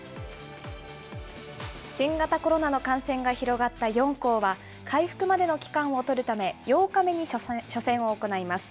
新型コロナの感染が広がった４校は、回復までの期間を取るため、８日目に初戦を行います。